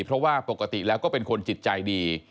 เพราะว่าปกติแล้วก็เป็นคนจิตใจดี